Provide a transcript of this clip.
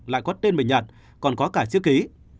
lại có tên mình nhật còn có cả chữ ký